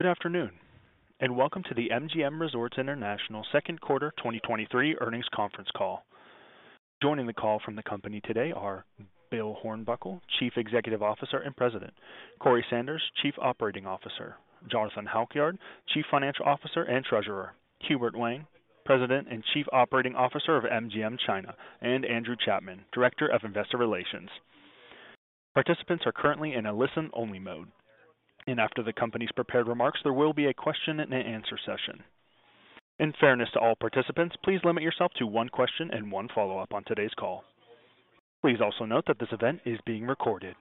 Good afternoon, and welcome to the MGM Resorts International Second Quarter 2023 Earnings Conference Call. Joining the call from the company today are Bill Hornbuckle, Chief Executive Officer and President, Corey Sanders, Chief Operating Officer, Jonathan Halkyard, Chief Financial Officer and Treasurer, Hubert Wang, President and Chief Operating Officer of MGM China, and Andrew Chapman, Director of Investor Relations. Participants are currently in a listen-only mode, and after the company's prepared remarks, there will be a question and answer session. In fairness to all participants, please limit yourself to one question and one follow-up on today's call. Please also note that this event is being recorded.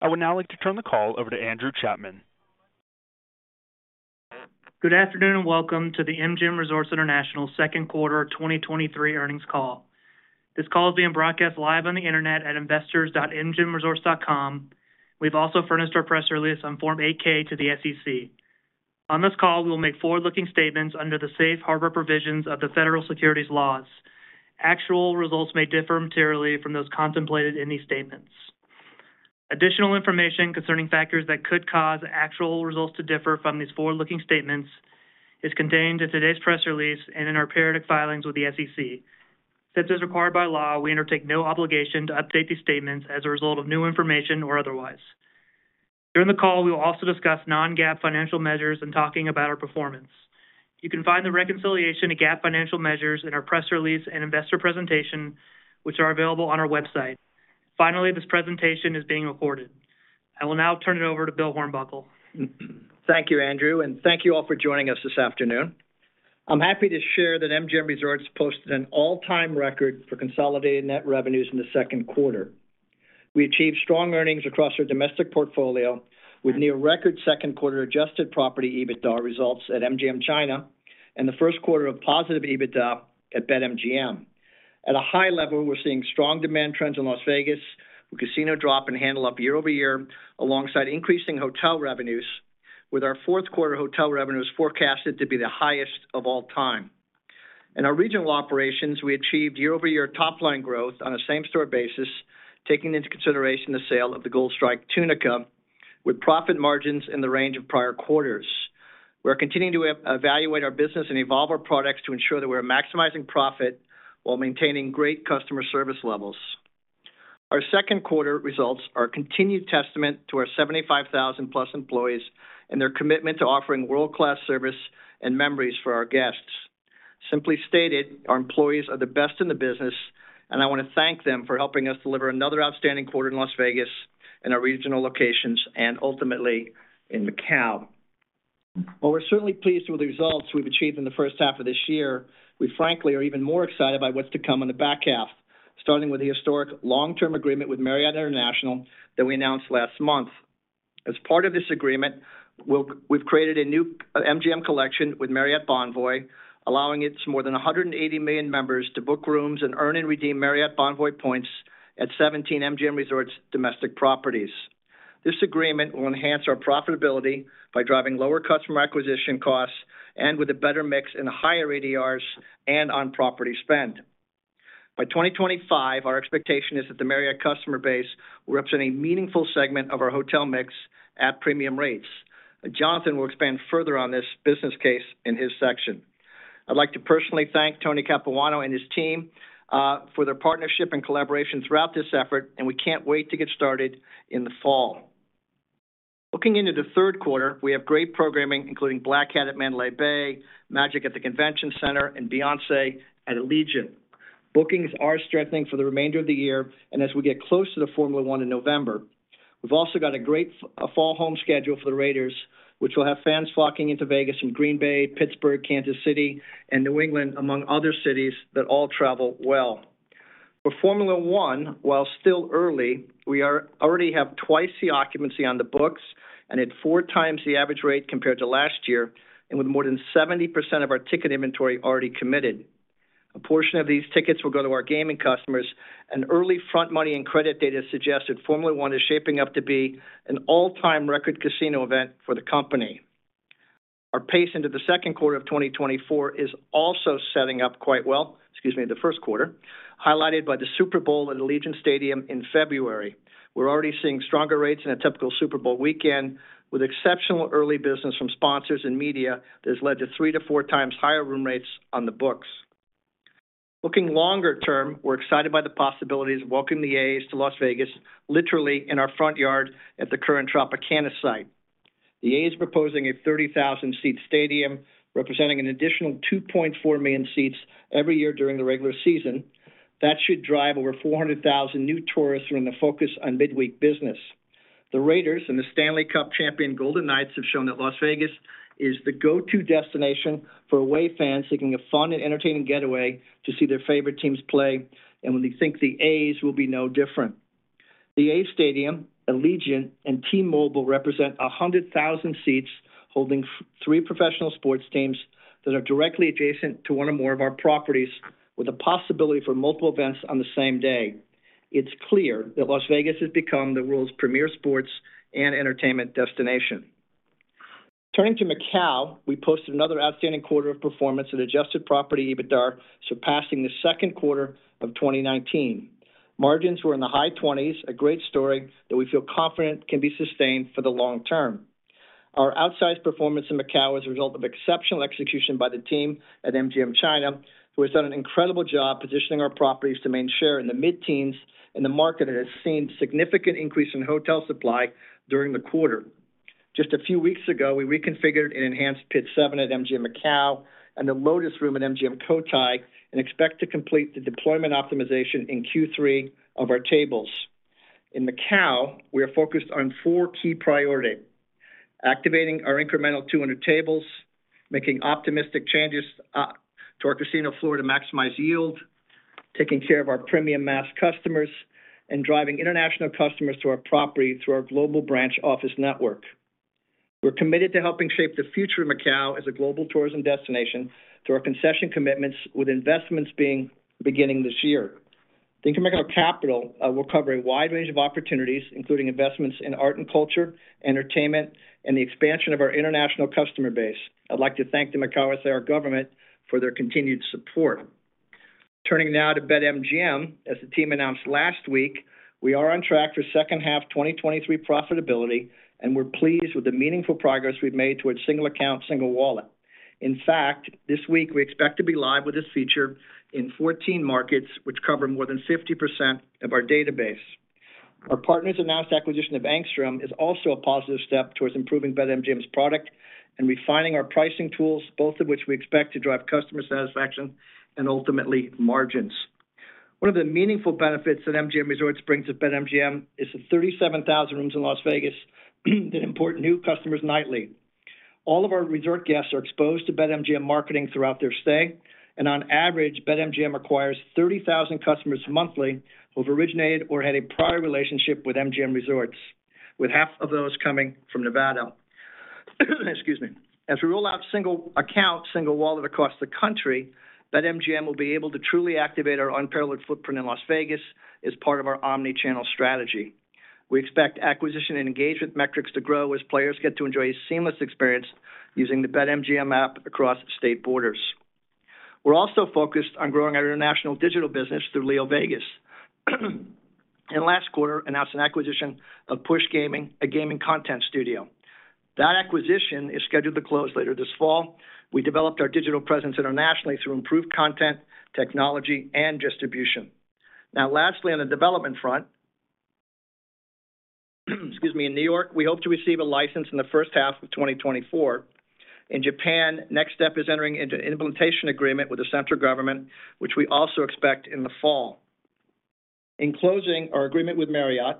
I would now like to turn the call over to Andrew Chapman. Good afternoon, welcome to the MGM Resorts International Second Quarter 2023 Earnings Call. This call is being broadcast live on the internet at investors.mgmresorts.com. We've also furnished our press release on Form 8-K to the SEC. On this call, we will make forward-looking statements under the safe harbor provisions of the Federal Securities laws. Actual results may differ materially from those contemplated in these statements. Additional information concerning factors that could cause actual results to differ from these forward-looking statements is contained in today's press release and in our periodic filings with the SEC. As required by law, we undertake no obligation to update these statements as a result of new information or otherwise. During the call, we will also discuss non-GAAP financial measures in talking about our performance. You can find the reconciliation to GAAP financial measures in our press release and investor presentation, which are available on our website. Finally, this presentation is being recorded. I will now turn it over to Bill Hornbuckle. Thank you, Andrew, and thank you all for joining us this afternoon. I'm happy to share that MGM Resorts posted an all-time record for consolidated net revenues in the second quarter. We achieved strong earnings across our domestic portfolio with near-record second-quarter adjusted property EBITDA results at MGM China and the first quarter of positive EBITDA at BetMGM. At a high level, we're seeing strong demand trends in Las Vegas with casino drop and handle up year-over-year, alongside increasing hotel revenues, with our fourth quarter hotel revenues forecasted to be the highest of all time. In our regional operations, we achieved year-over-year top line growth on a same-store basis, taking into consideration the sale of the Gold Strike Tunica, with profit margins in the range of prior quarters. We are continuing to evaluate our business and evolve our products to ensure that we are maximizing profit while maintaining great customer service levels. Our second quarter results are a continued testament to our 75,000-plus employees and their commitment to offering world-class service and memories for our guests. Simply stated, our employees are the best in the business, and I want to thank them for helping us deliver another outstanding quarter in Las Vegas and our regional locations and ultimately in Macao. While we're certainly pleased with the results we've achieved in the first half of this year, we frankly are even more excited about what's to come in the back half, starting with the historic long-term agreement with Marriott International that we announced last month. As part of this agreement, we've created a new MGM Collection with Marriott Bonvoy, allowing its more than 180 million members to book rooms and earn and redeem Marriott Bonvoy points at 17 MGM Resorts domestic properties. This agreement will enhance our profitability by driving lower customer acquisition costs and with a better mix in higher ADRs and on-property spend. By 2025, our expectation is that the Marriott customer base will represent a meaningful segment of our hotel mix at premium rates. Jonathan will expand further on this business case in his section. I'd like to personally thank Tony Capuano and his team for their partnership and collaboration throughout this effort, and we can't wait to get started in the fall. Looking into the third quarter, we have great programming, including Black Hat at Mandalay Bay, MAGIC at the Convention Center, and Beyoncé at Allegiant. Bookings are strengthening for the remainder of the year as we get close to the Formula 1 in November. We've also got a great fall home schedule for the Raiders, which will have fans flocking into Vegas and Green Bay, Pittsburgh, Kansas City, and New England, among other cities that all travel well. For Formula 1, while still early, we already have 2x the occupancy on the books and at 4x the average rate compared to last year and with more than 70% of our ticket inventory already committed. A portion of these tickets will go to our gaming customers, early front money and credit data suggested Formula 1 is shaping up to be an all-time record casino event for the company. Our pace into the second quarter of 2024 is also setting up quite well, excuse me, the first quarter, highlighted by the Super Bowl at Allegiant Stadium in February. We're already seeing stronger rates in a typical Super Bowl weekend, with exceptional early business from sponsors and media that has led to 3 to 4 times higher room rates on the books. Looking longer term, we're excited by the possibilities of welcoming the A's to Las Vegas, literally in our front yard at the current Tropicana site. The A's proposing a 30,000 seat stadium, representing an additional 2.4 million seats every year during the regular season. That should drive over 400,000 new tourists during the focus on midweek business. The Raiders and the Stanley Cup champion Golden Knights have shown that Las Vegas is the go-to destination for away fans seeking a fun and entertaining getaway to see their favorite teams play, and when we think the A's will be no different. The A's Stadium, Allegiant, and T-Mobile represent 100,000 seats, holding 3 professional sports teams that are directly adjacent to one or more of our properties, with a possibility for multiple events on the same day. It's clear that Las Vegas has become the world's premier sports and entertainment destination. Turning to Macao, we posted another outstanding quarter of performance and adjusted property EBITDA, surpassing the second quarter of 2019.... margins were in the high 20s, a great story that we feel confident can be sustained for the long term. Our outsized performance in Macau is a result of exceptional execution by the team at MGM China, who has done an incredible job positioning our properties to maintain share in the mid-teens. The market has seen significant increase in hotel supply during the quarter. Just a few weeks ago, we reconfigured and enhanced Pit Seven at MGM Macau and the Lotus Room at MGM Cotai. We expect to complete the deployment optimization in Q3 of our tables. In Macau, we are focused on 4 key priorities: activating our incremental 200 tables, making optimistic changes to our casino floor to maximize yield, taking care of our premium mass customers, and driving international customers to our property through our global branch office network. We're committed to helping shape the future of Macau as a global tourism destination through our concession commitments, with investments being beginning this year. The Macau capital will cover a wide range of opportunities, including investments in art and culture, entertainment, and the expansion of our international customer base. I'd like to thank the Macau SAR government for their continued support. Turning now to BetMGM. As the team announced last week, we are on track for second half 2023 profitability, and we're pleased with the meaningful progress we've made towards Single Account, Single Wallet. In fact, this week, we expect to be live with this feature in 14 markets, which cover more than 50% of our database. Our partners announced acquisition of Angstrom is also a positive step towards improving BetMGM's product and refining our pricing tools, both of which we expect to drive customer satisfaction and ultimately margins. One of the meaningful benefits that MGM Resorts brings to BetMGM is the 37,000 rooms in Las Vegas that import new customers nightly. All of our resort guests are exposed to BetMGM marketing throughout their stay, and on average, BetMGM acquires 30,000 customers monthly who have originated or had a prior relationship with MGM Resorts, with half of those coming from Nevada. Excuse me. As we roll out Single Account, Single Wallet across the country, BetMGM will be able to truly activate our unparalleled footprint in Las Vegas as part of our omnichannel strategy. We expect acquisition and engagement metrics to grow as players get to enjoy a seamless experience using the BetMGM app across state borders. We're also focused on growing our international digital business through LeoVegas, and last quarter announced an acquisition of Push Gaming, a gaming content studio. That acquisition is scheduled to close later this fall. We developed our digital presence internationally through improved content, technology, and distribution. Lastly, on the development front, excuse me, in New York, we hope to receive a license in the first half of 2024. In Japan, next step is entering into an implementation agreement with the central government, which we also expect in the fall. In closing, our agreement with Marriott,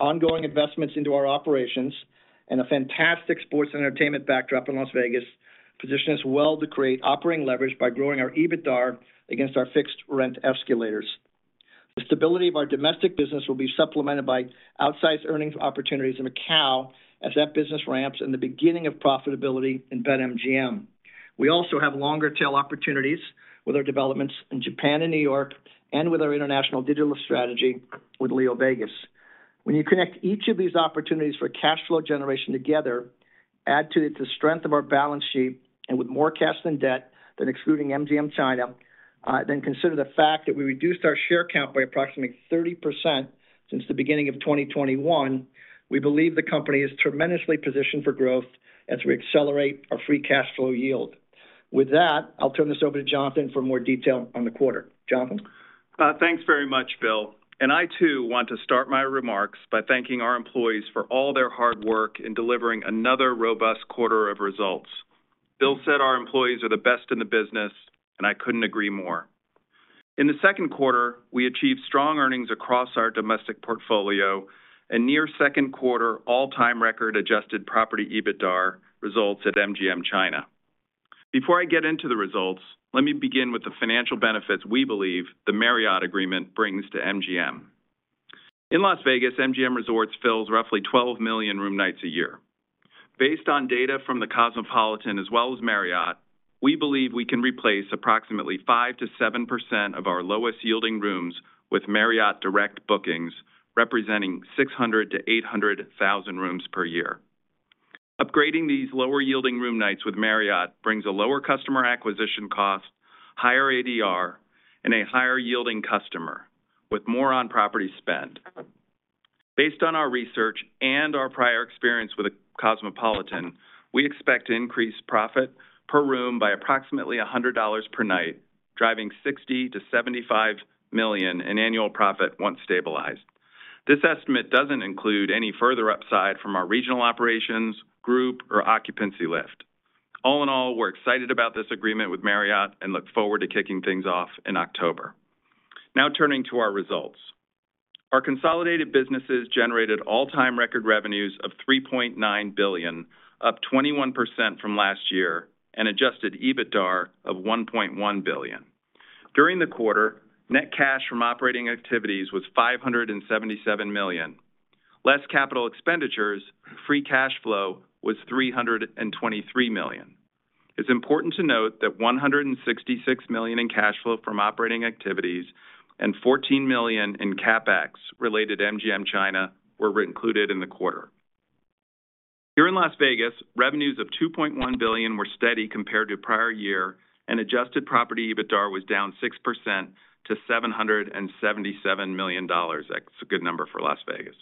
ongoing investments into our operations, and a fantastic sports and entertainment backdrop in Las Vegas position us well to create operating leverage by growing our EBITDAR against our fixed rent escalators. The stability of our domestic business will be supplemented by outsized earnings opportunities in Macau as that business ramps in the beginning of profitability in BetMGM. We also have longer-tail opportunities with our developments in Japan and New York and with our international digital strategy with LeoVegas. When you connect each of these opportunities for cash flow generation together, add to it the strength of our balance sheet, and with more cash than debt than excluding MGM China, then consider the fact that we reduced our share count by approximately 30% since the beginning of 2021, we believe the company is tremendously positioned for growth as we accelerate our free cash flow yield. With that, I'll turn this over to Jonathan for more detail on the quarter. Jonathan? Thanks very much, Bill, I too want to start my remarks by thanking our employees for all their hard work in delivering another robust quarter of results. Bill said our employees are the best in the business, I couldn't agree more. In the second quarter, we achieved strong earnings across our domestic portfolio and near second quarter all-time record adjusted property EBITDAR results at MGM China. Before I get into the results, let me begin with the financial benefits we believe the Marriott agreement brings to MGM. In Las Vegas, MGM Resorts fills roughly 12 million room nights a year. Based on data from The Cosmopolitan as well as Marriott, we believe we can replace approximately 5%-7% of our lowest-yielding rooms with Marriott direct bookings, representing 600,000-800,000 rooms per year. Upgrading these lower-yielding room nights with Marriott brings a lower customer acquisition cost, higher ADR, and a higher-yielding customer with more on-property spend. Based on our research and our prior experience with The Cosmopolitan, we expect to increase profit per room by approximately $100 per night, driving $60 million-$75 million in annual profit once stabilized. This estimate doesn't include any further upside from our regional operations, group, or occupancy lift. All in all, we're excited about this agreement with Marriott and look forward to kicking things off in October. Turning to our results. Our consolidated businesses generated all-time record revenues of $3.9 billion, up 21% from last year, and adjusted EBITDAR of $1.1 billion. During the quarter, net cash from operating activities was $577 million. Less CapEx, free cash flow was $323 million. It's important to note that $166 million in cash flow from operating activities and $14 million in CapEx related to MGM China were included in the quarter. Here in Las Vegas, revenues of $2.1 billion were steady compared to prior year, and adjusted property EBITDA was down 6% to $777 million. That's a good number for Las Vegas.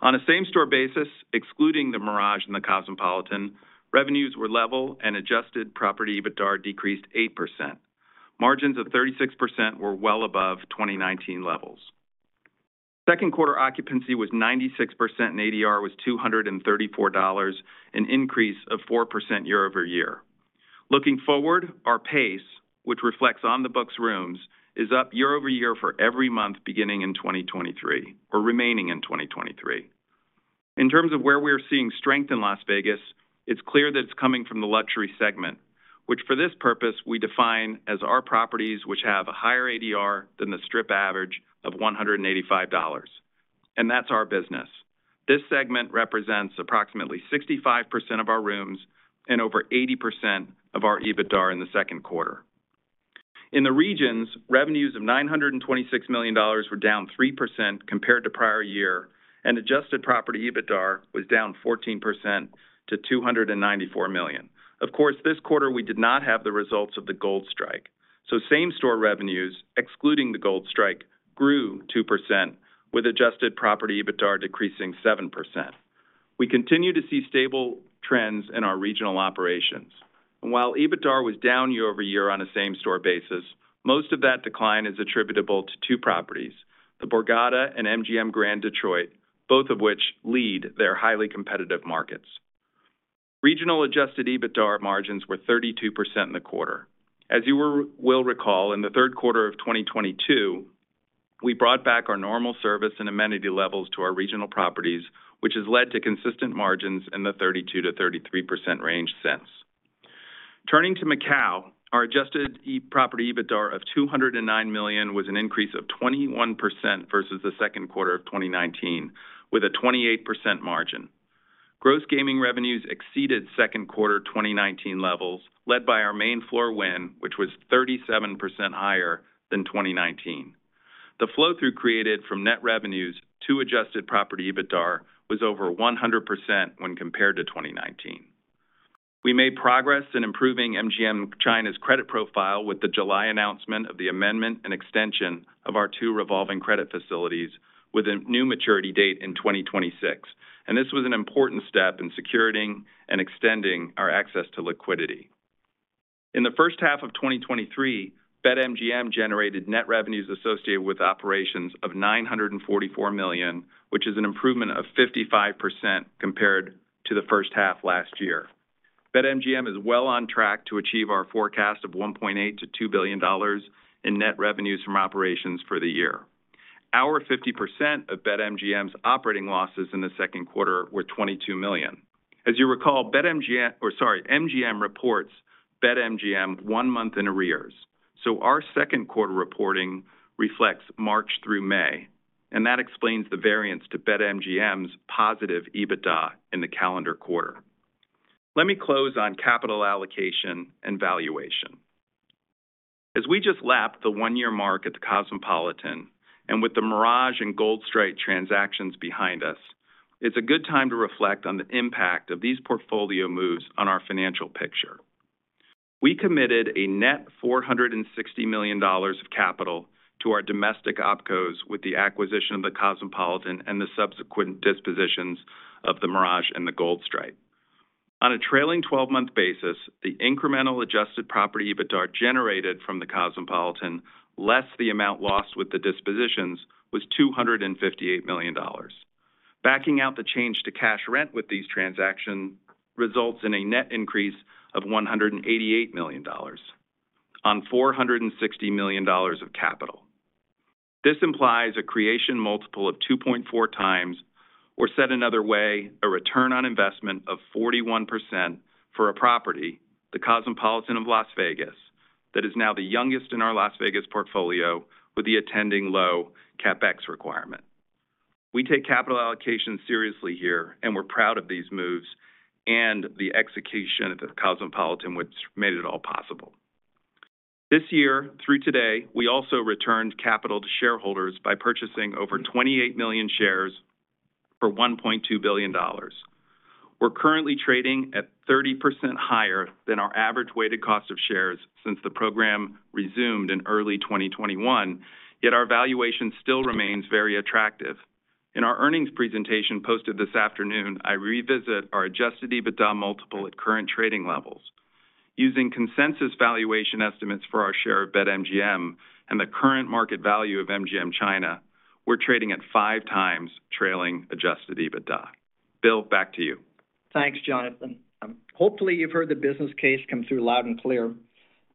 On a same-store basis, excluding The Mirage and The Cosmopolitan, revenues were level and adjusted property EBITDA decreased 8%. Margins of 36% were well above 2019 levels. Second quarter occupancy was 96%, and ADR was $234, an increase of 4% year-over-year. Looking forward, our pace, which reflects on the books rooms, is up year-over-year for every month beginning in 2023 or remaining in 2023. In terms of where we are seeing strength in Las Vegas, it's clear that it's coming from the luxury segment, which for this purpose, we define as our properties, which have a higher ADR than the strip average of $185, and that's our business. This segment represents approximately 65% of our rooms and over 80% of our EBITDA in the second quarter. In the regions, revenues of $926 million were down 3% compared to prior year, and adjusted property EBITDA was down 14% to $294 million. Of course, this quarter we did not have the results of the Gold Strike, so same-store revenues, excluding the Gold Strike, grew 2% with adjusted property EBITDA decreasing 7%. We continue to see stable trends in our regional operations. While EBITDA was down year-over-year on a same-store basis, most of that decline is attributable to two properties, the Borgata and MGM Grand Detroit, both of which lead their highly competitive markets. Regional adjusted EBITDA margins were 32% in the quarter. As you will recall, in the third quarter of 2022, we brought back our normal service and amenity levels to our regional properties, which has led to consistent margins in the 32%-33% range since. Turning to Macau, our adjusted property, EBITDA of $209 million, was an increase of 21% versus the second quarter of 2019, with a 28% margin. Gross gaming revenues exceeded second quarter 2019 levels, led by our main floor win, which was 37% higher than 2019. The flow-through created from net revenues to adjusted property EBITDA was over 100% when compared to 2019. We made progress in improving MGM China's credit profile with the July announcement of the amendment and extension of our two revolving credit facilities with a new maturity date in 2026. This was an important step in securing and extending our access to liquidity. In the first half of 2023, BetMGM generated net revenues associated with operations of $944 million, which is an improvement of 55% compared to the first half last year. BetMGM is well on track to achieve our forecast of $1.8 billion-$2 billion in net revenues from operations for the year. Our 50% of BetMGM's operating losses in the second quarter were $22 million. As you recall, MGM reports BetMGM one month in arrears, so our second quarter reporting reflects March through May, and that explains the variance to BetMGM's positive EBITDA in the calendar quarter. Let me close on capital allocation and valuation. As we just lapped the one-year mark at The Cosmopolitan and with The Mirage and Gold Strike transactions behind us, it's a good time to reflect on the impact of these portfolio moves on our financial picture. We committed a net $460 million of capital to our domestic OpCos, with the acquisition of The Cosmopolitan and the subsequent dispositions of The Mirage and the Gold Strike. On a trailing 12-month basis, the incremental adjusted property EBITDA generated from The Cosmopolitan, less the amount lost with the dispositions, was $258 million. Backing out the change to cash rent with these transactions, results in a net increase of $188 million on $460 million of capital. This implies a creation multiple of 2.4x or set another way, an ROI of 41% for a property, The Cosmopolitan of Las Vegas, that is now the youngest in our Las Vegas portfolio with the attending low CapEx requirement. We take capital allocation seriously here, and we're proud of these moves and the execution of The Cosmopolitan, which made it all possible. This year, through today, we also returned capital to shareholders by purchasing over 28 million shares for $1.2 billion. We're currently trading at 30% higher than our average weighted cost of shares since the program resumed in early 2021, yet our valuation still remains very attractive. In our earnings presentation posted this afternoon, I revisit our adjusted EBITDA multiple at current trading levels. Using consensus valuation estimates for our share of BetMGM and the current market value of MGM China, we're trading at five times trailing adjusted EBITDA. Bill, back to you. Thanks, Jonathan. Hopefully, you've heard the business case come through loud and clear.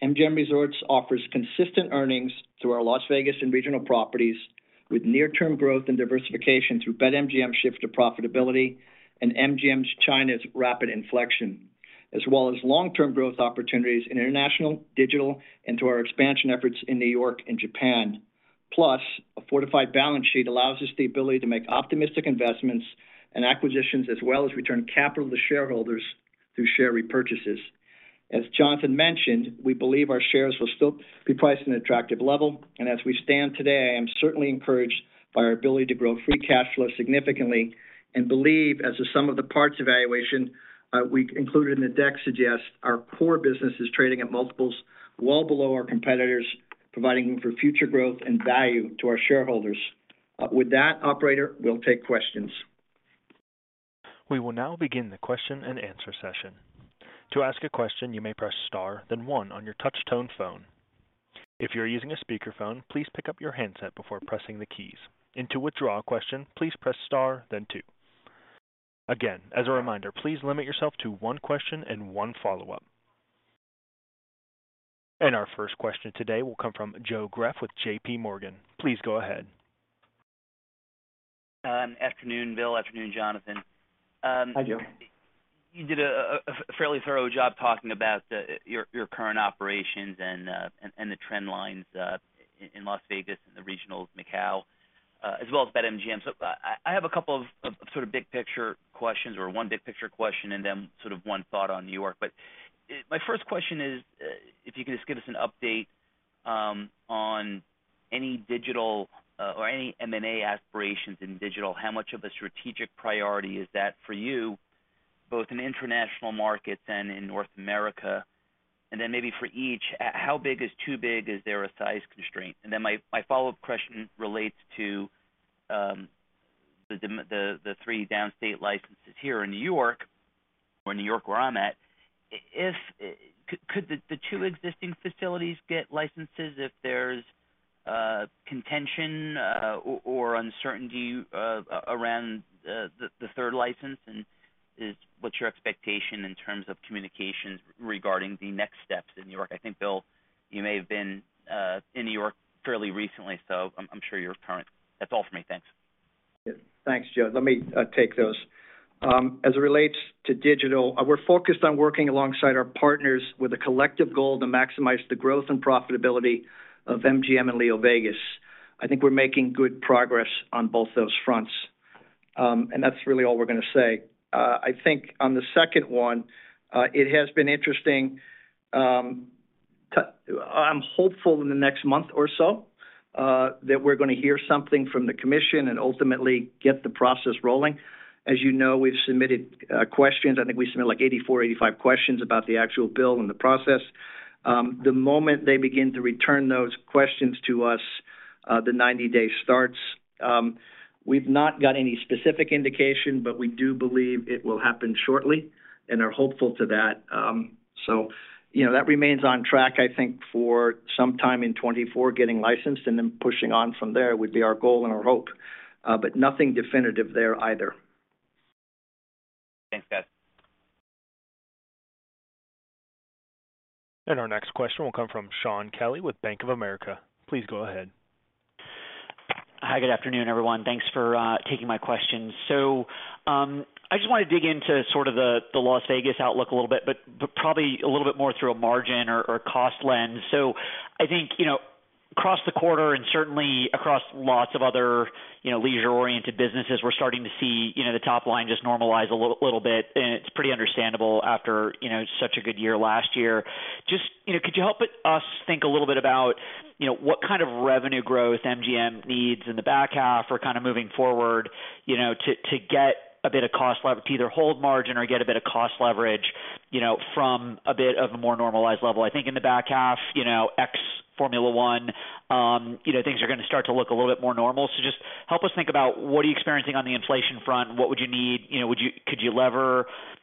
MGM Resorts offers consistent earnings through our Las Vegas and regional properties, with near-term growth and diversification through BetMGM's shift to profitability and MGM China's rapid inflection, as well as long-term growth opportunities in international, digital, and to our expansion efforts in New York and Japan. A fortified balance sheet allows us the ability to make optimistic investments and acquisitions, as well as return capital to shareholders through share repurchases. As Jonathan mentioned, we believe our shares will still be priced in an attractive level. As we stand today, I am certainly encouraged by our ability to grow free cash flow significantly and believe, as the sum of the parts evaluation, we included in the deck suggests our core business is trading at multiples well below our competitors, providing for future growth and value to our shareholders. With that, operator, we'll take questions. We will now begin the question and answer session. To ask a question, you may press star, then 1 on your touch tone phone. If you're using a speakerphone, please pick up your handset before pressing the keys. To withdraw a question, please press star, then 2. Again, as a reminder, please limit yourself to 1 question and 1 follow-up. Our first question today will come from Joe Greff with JPMorgan. Please go ahead. Afternoon, Bill. Afternoon, Jonathan. Hi, Joe. You did a fairly thorough job talking about your current operations and the trend lines in Las Vegas and the regionals, Macau, as well as BetMGM. I have a couple of big picture questions, or one big picture question, and then sort of one thought on New York. My first question is, if you could just give us an update on any digital or any M&A aspirations in digital, how much of a strategic priority is that for you, both in international markets and in North America? Maybe for each, how big is too big? Is there a size constraint? My follow-up question relates to the three downstate licenses here in New York or New York, where I'm at. Could, could the two existing facilities get licenses if there's contention or uncertainty around the third license? What's your expectation in terms of communication regarding the next steps in New York? I think, Bill, you may have been in New York fairly recently, so I'm sure you're current. That's all for me. Thanks. Thanks, Joe. Let me take those. As it relates to digital, we're focused on working alongside our partners with a collective goal to maximize the growth and profitability of MGM and LeoVegas. I think we're making good progress on both those fronts. That's really all we're going to say. I think on the second one, it has been interesting. I'm hopeful in the next month or so that we're going to hear something from the commission and ultimately get the process rolling. As you know, we've submitted questions. I think we submitted, like, 84, 85 questions about the actual bill and the process. The moment they begin to return those questions to us, the 90-day starts. We've not got any specific indication, but we do believe it will happen shortly and are hopeful to that. You know, that remains on track, I think, for some time in 2024, getting licensed and then pushing on from there would be our goal and our hope, but nothing definitive there either. Thanks, guys. Our next question will come from Shaun Kelley with Bank of America. Please go ahead. Hi, good afternoon, everyone. Thanks for taking my questions. I just want to dig into sort of the, the Las Vegas outlook a little bit, but, but probably a little bit more through a margin or, or cost lens. I think, you know, across the quarter and certainly across lots of other, you know, leisure-oriented businesses, we're starting to see, you know, the top line just normalize a little, little bit, and it's pretty understandable after, you know, such a good year last year. Just, you know, could you help us think a little bit about, you know, what kind of revenue growth MGM needs in the back half or kind of moving forward, you know, to either hold margin or get a bit of cost leverage, you know, from a bit of a more normalized level? I think in the back half, you know, ex Formula 1, you know, things are going to start to look a little bit more normal. Just help us think about what are you experiencing on the inflation front? What would you need? You know, could you lever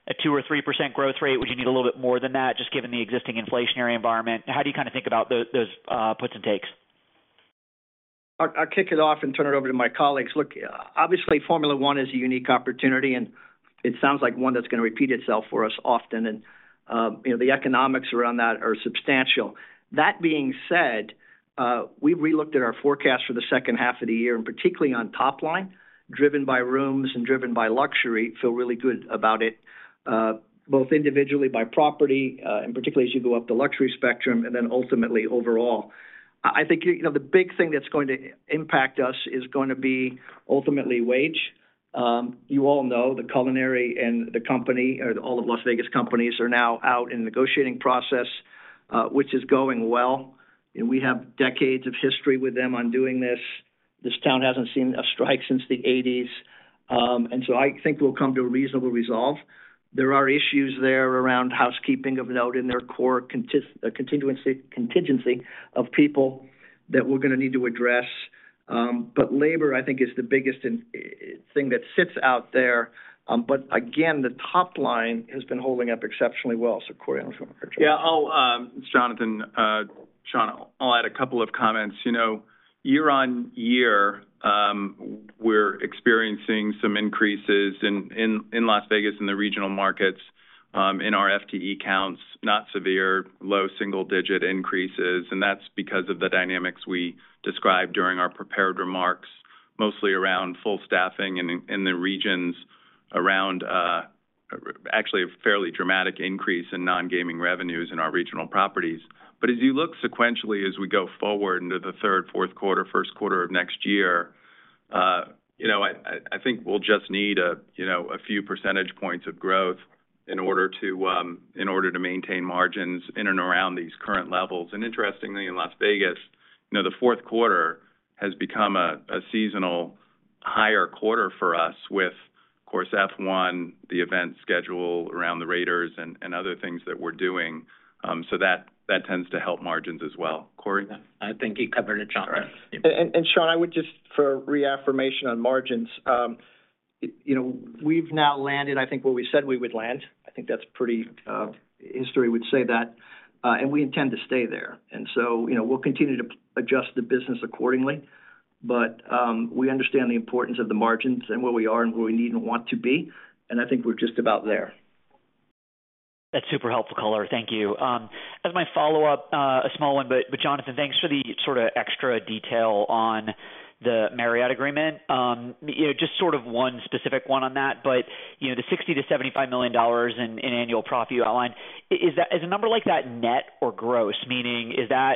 a 2% or 3% growth rate? Would you need a little bit more than that, just given the existing inflationary environment? How do you kind of think about those puts and takes? I'll, I'll kick it off and turn it over to my colleagues. Look, obviously, Formula 1 is a unique opportunity, and it sounds like one that's going to repeat itself for us often. You know, the economics around that are substantial. That being said, we relooked at our forecast for the second half of the year, and particularly on top line, driven by rooms and driven by luxury, feel really good about it, both individually, by property, and particularly as you go up the luxury spectrum and then ultimately overall. I think, you know, the big thing that's going to impact us is going to be ultimately wage. You all know the culinary and the company, or all of Las Vegas companies are now out in negotiating process, which is going well. We have decades of history with them on doing this. This town hasn't seen a strike since the eighties. I think we'll come to a reasonable resolve. There are issues there around housekeeping of note in their core constituency of people that we're going to need to address. Labor, I think, is the biggest in-- thing that sits out there. Again, the top line has been holding up exceptionally well. Corey, I'm going to turn it over to you. Yeah, I'll, Jonathan, Shaun, I'll add a couple of comments. You know, year-over-year, we're experiencing some increases in, in, in Las Vegas, in the regional markets, in our FTE counts, not severe, low single-digit increases, and that's because of the dynamics we described during our prepared remarks, mostly around full staffing and in, in the regions around, actually a fairly dramatic increase in non-gaming revenues in our regional properties. As you look sequentially, as we go forward into the 3rd, 4th quarter, 1st quarter of next year, you know, I, I think we'll just need a, you know, a few percentage points of growth in order to, in order to maintain margins in and around these current levels. Interestingly, in Las Vegas, you know, the 4th quarter has become a seasonal higher quarter for us with, of course, F1, the event schedule around the Raiders and other things that we're doing. So that, that tends to help margins as well. Corey? I think you covered it, Jonathan. All right. Shaun, I would just for reaffirmation on margins. You know, we've now landed, I think, where we said we would land. I think that's pretty, history would say that, and we intend to stay there. You know, we'll continue to adjust the business accordingly, but, we understand the importance of the margins and where we are and where we need and want to be, and I think we're just about there. That's super helpful, color. Thank you. as my follow-up, a small one, but, but Jonathan, thanks for the sort of extra detail on the Marriott agreement. you know, just sort of one specific one on that, but, you know, the $60 million-$75 million in annual profit you outlined, is that? Is a number like that net or gross? Meaning, is that,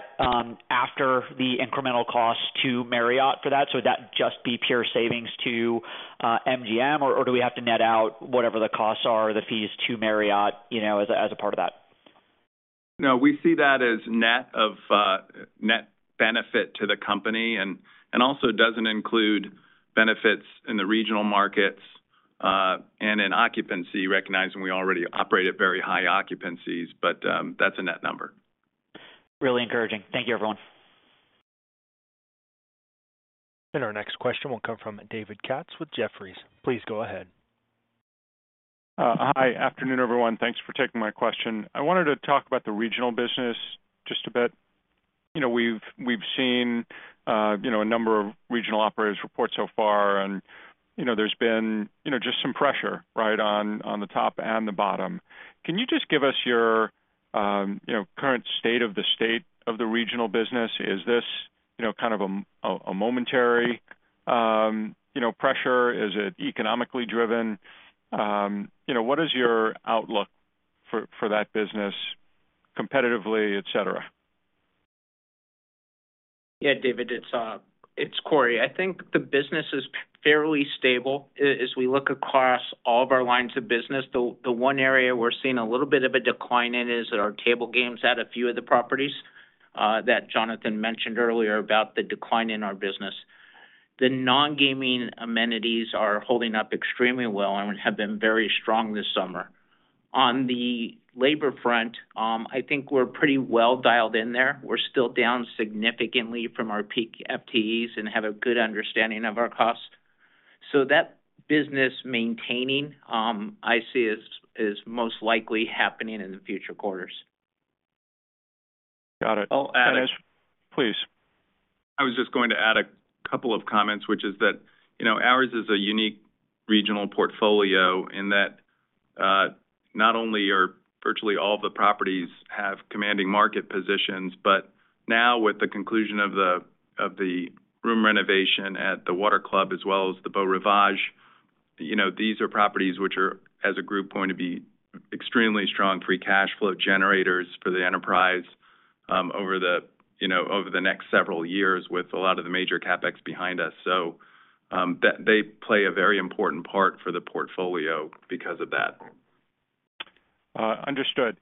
after the incremental cost to Marriott for that, so would that just be pure savings to, MGM, or, or do we have to net out whatever the costs are, the fees to Marriott, you know, as a, as a part of that? No, we see that as net of net benefit to the company and also doesn't include benefits in the regional markets and in occupancy, recognizing we already operate at very high occupancies, but that's a net number. Really encouraging. Thank you, everyone. Our next question will come from David Katz with Jefferies. Please go ahead. Hi. Afternoon, everyone. Thanks for taking my question. I wanted to talk about the regional business just a bit. You know, we've, we've seen, you know, a number of regional operators report so far, and, you know, there's been, you know, just some pressure, right, on, on the top and the bottom. Can you just give us your, you know, current state of the state of the regional business? Is this, you know, kind of a, a, a momentary, you know, pressure? Is it economically driven? You know, what is your outlook for, for that business, competitively, et cetera? Yeah, David, it's, it's Corey. I think the business is fairly stable. As we look across all of our lines of business, the one area we're seeing a little bit of a decline in is our table games at a few of the properties that Jonathan mentioned earlier about the decline in our business. The non-gaming amenities are holding up extremely well and have been very strong this summer. On the labor front, I think we're pretty well dialed in there. We're still down significantly from our peak FTEs and have a good understanding of our costs. That business maintaining, I see is, is most likely happening in the future quarters. Got it. I'll Please. I was just going to add a couple of comments, which is that, you know, ours is a unique regional portfolio in that, not only are virtually all the properties have commanding market positions, but now with the conclusion of the, of the room renovation at the Water Club as well as the Beau Rivage, you know, these are properties which are, as a group, going to be extremely strong free cash flow generators for the enterprise, over the, you know, over the next several years with a lot of the major CapEx behind us. They, they play a very important part for the portfolio because of that. understood.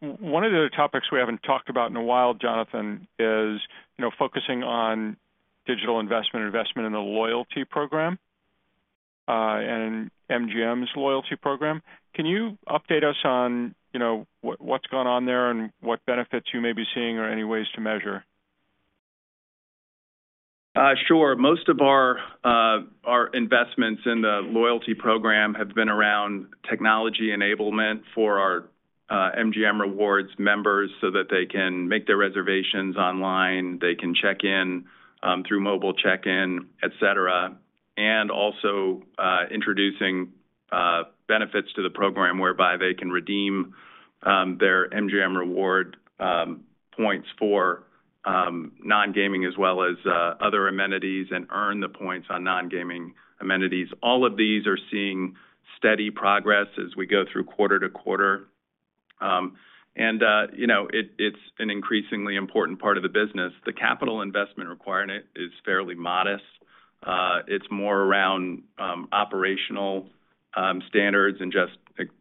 One of the topics we haven't talked about in a while, Jonathan, is, you know, focusing on digital investment and investment in the loyalty program, and MGM's loyalty program. Can you update us on, you know, what, what's going on there and what benefits you may be seeing or any ways to measure? Sure. Most of our investments in the loyalty program have been around technology enablement for our MGM Rewards members so that they can make their reservations online, they can check in through mobile check-in, et cetera, and also introducing benefits to the program whereby they can redeem their MGM Rewards points for non-gaming as well as other amenities and earn the points on non-gaming amenities. All of these are seeing steady progress as we go through quarter to quarter. You know, it's an increasingly important part of the business. The capital investment requirement is fairly modest. It's more around operational standards and just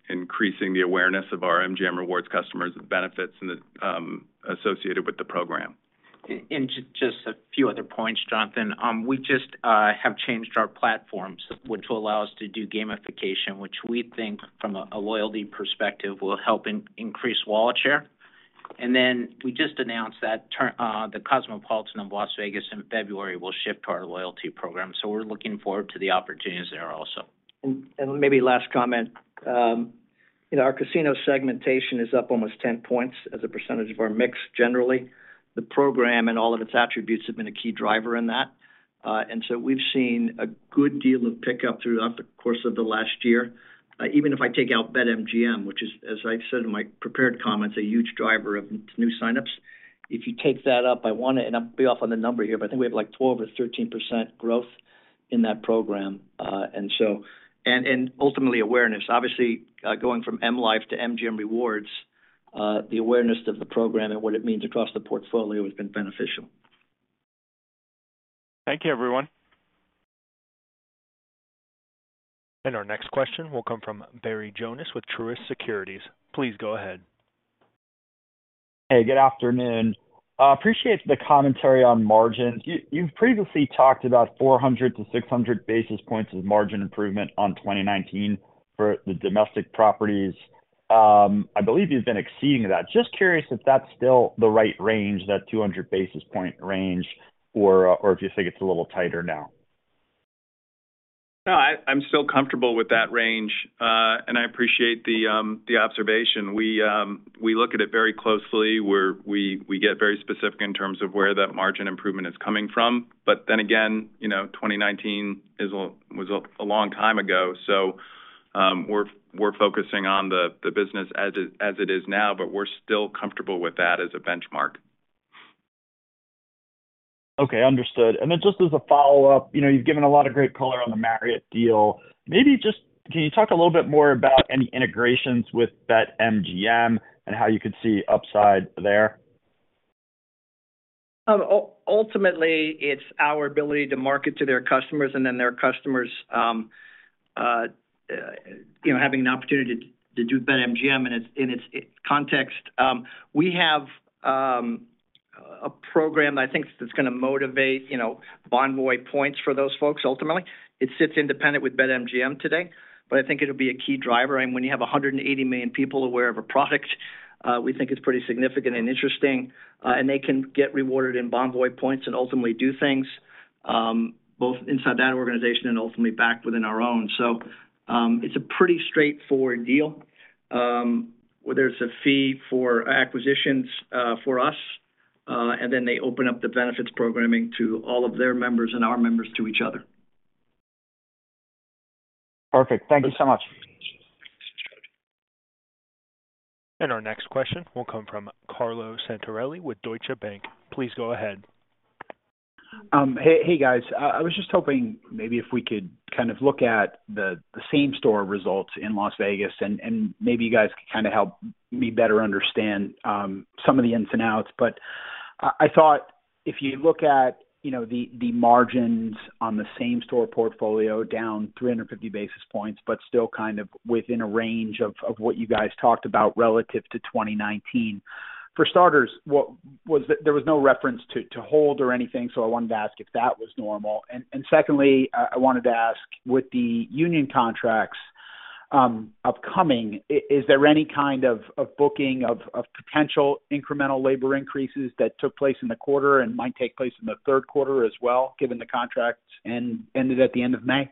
increasing the awareness of our MGM Rewards customers, the benefits and the associated with the program. Just a few other points, Jonathan. We just have changed our platforms, which will allow us to do gamification, which we think from a, a loyalty perspective, will help increase wallet share. Then we just announced that The Cosmopolitan in Las Vegas in February will shift to our loyalty program, so we're looking forward to the opportunities there also. And maybe last comment. You know, our casino segmentation is up almost 10 points as a percentage of our mix. Generally, the program and all of its attributes have been a key driver in that. We've seen a good deal of pickup throughout the course of the last year. Even if I take out BetMGM, which is, as I said in my prepared comments, a huge driver of new signups. If you take that up, I want to, and I'm be off on the number here, but I think we have, like, 12% or 13% growth in that program. And ultimately awareness. Obviously, going from M life to MGM Rewards-... the awareness of the program and what it means across the portfolio has been beneficial. Thank you, everyone. Our next question will come from Barry Jonas with Truist Securities. Please go ahead. Hey, good afternoon. Appreciate the commentary on margins. You've previously talked about 400-600 basis points of margin improvement on 2019 for the domestic properties. I believe you've been exceeding that. Just curious if that's still the right range, that 200 basis point range, or if you think it's a little tighter now? No, I, I'm still comfortable with that range, and I appreciate the observation. We look at it very closely, where we get very specific in terms of where that margin improvement is coming from. Then again, you know, 2019 was a long time ago. We're focusing on the business as it is now, but we're still comfortable with that as a benchmark. Okay, understood. Then just as a follow-up, you know, you've given a lot of great color on the Marriott deal. Can you talk a little bit more about any integrations with BetMGM and how you could see upside there? Ultimately, it's our ability to market to their customers and then their customers, you know, having an opportunity to, to do BetMGM in its, in its context. We have a program, I think, that's gonna motivate, you know, Bonvoy points for those folks, ultimately. It sits independent with BetMGM today, I think it'll be a key driver. When you have 180 million people aware of a product, we think it's pretty significant and interesting, and they can get rewarded in Bonvoy points and ultimately do things, both inside that organization and ultimately back within our own. It's a pretty straightforward deal, where there's a fee for acquisitions for us, and then they open up the benefits programming to all of their members and our members to each other. Perfect. Thank you so much. Our next question will come from Carlo Santarelli with Deutsche Bank. Please go ahead. Hey, hey, guys. I was just hoping maybe if we could kind of look at the, the same store results in Las Vegas, and, and maybe you guys could kinda help me better understand, some of the ins and outs. I, I thought if you look at, you know, the, the margins on the same store portfolio, down 350 basis points, but still kind of within a range of, of what you guys talked about relative to 2019. For starters, what-- was that there was no reference to, to hold or anything, so I wanted to ask if that was normal? And secondly, I wanted to ask, with the union contracts, upcoming, is there any kind of booking of potential incremental labor increases that took place in the quarter and might take place in the third quarter as well, given the contracts and ended at the end of May?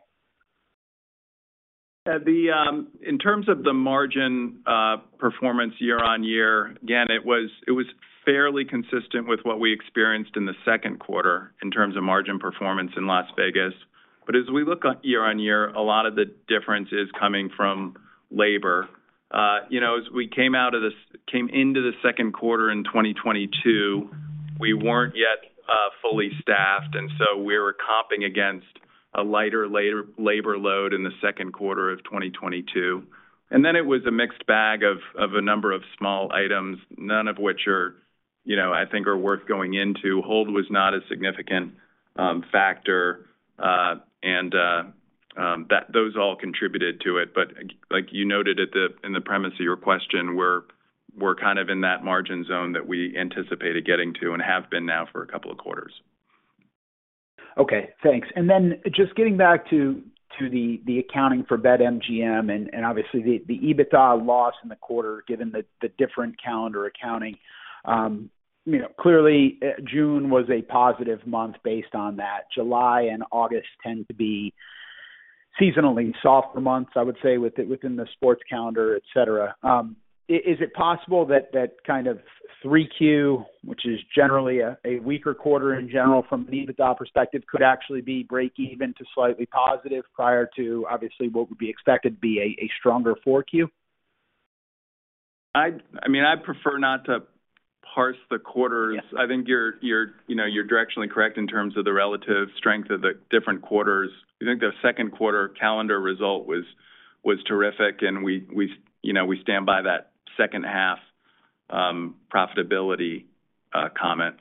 The in terms of the margin performance year-on-year, again, it was, it was fairly consistent with what we experienced in the second quarter in 2022 in terms of margin performance in Las Vegas. As we look on year-on-year, a lot of the difference is coming from labor. You know, as we came out of this-- came into the second quarter in 2022, we weren't yet fully staffed, and so we were comping against a lighter lair- labor load in the second quarter of 2022. Then it was a mixed bag of, of a number of small items, none of which are, you know, I think are worth going into. hold was not a significant factor, and that-- those all contributed to it. Like you noted at the, in the premise of your question, we're, we're kind of in that margin zone that we anticipated getting to and have been now for a couple of quarters. Okay, thanks. Just getting back to the accounting for BetMGM and obviously, the EBITDA loss in the quarter, given the different calendar accounting. You know, clearly, June was a positive month based on that. July and August tend to be seasonally softer months, I would say, within the sports calendar, et cetera. Is it possible that that kind of 3Q, which is generally a weaker quarter in general from an EBITDA perspective, could actually be break even to slightly positive prior to obviously what would be expected to be a stronger 4Q? I mean, I'd prefer not to parse the quarters. Yeah. I think you're, you know, you're directionally correct in terms of the relative strength of the different quarters. I think the second quarter calendar result was terrific, and we, you know, we stand by that second half profitability comment.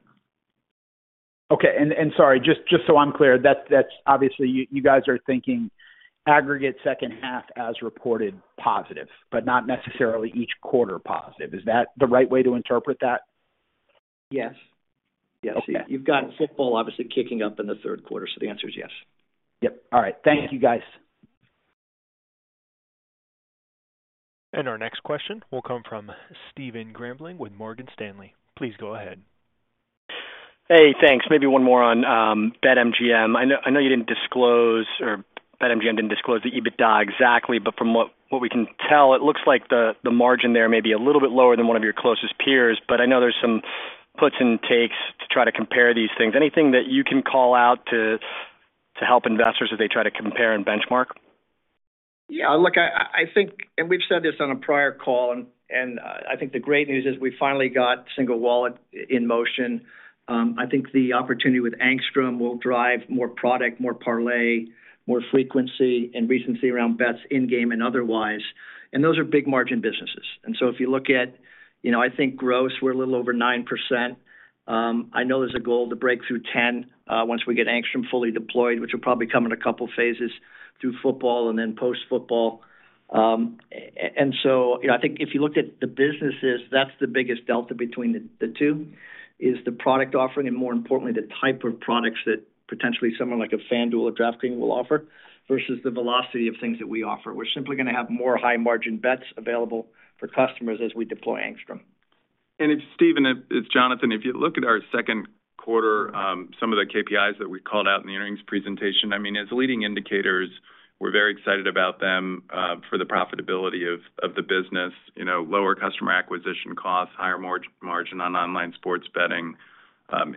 Okay. Sorry, just so I'm clear, that's obviously, you guys are thinking aggregate second half as reported positive, but not necessarily each quarter positive. Is that the right way to interpret that? Yes. Yes. You've got football obviously kicking up in the third quarter, so the answer is yes. Yep. All right. Thank you, guys. Our next question will come from Stephen Grambling with Morgan Stanley. Please go ahead. Hey, thanks. Maybe one more on BetMGM. I know, I know you didn't disclose, or BetMGM didn't disclose the EBITDA exactly. From what we can tell, it looks like the margin there may be a little bit lower than one of your closest peers, but I know there's some puts and takes to try to compare these things. Anything that you can call out to, to help investors as they try to compare and benchmark? Yeah, look, I think, and we've said this on a prior call, and I think the great news is we finally got Single Wallet in motion. I think the opportunity with Angstrom will drive more product, more parlay, more frequency and recency around bets, in-game and otherwise. Those are big margin businesses. If you look at, you know, I think gross, we're a little over 9%. I know there's a goal to break through 10, once we get Angstrom fully deployed, which will probably come in a couple of phases through football and then post-football. I think if you looked at the businesses, that's the biggest delta between the, the two, is the product offering, and more importantly, the type of products that potentially someone like a FanDuel or DraftKings will offer versus the velocity of things that we offer. We're simply gonna have more high-margin bets available for customers as we deploy Angstrom. If, Stephen, it's Jonathan Halkyard. If you look at our second quarter, some of the KPIs that we called out in the earnings presentation, I mean, as leading indicators, we're very excited about them for the profitability of the business, you know, lower customer acquisition costs, higher margin on online sports betting,